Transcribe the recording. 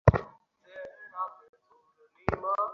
জার্মানীতে অধ্যাপক ডয়সনের কাছে গিয়ে বেশ আনন্দ পেয়েছি।